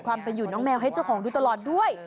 ความเป็นอยู่น้องแมวให้เจ้าของดูตลอดด้วย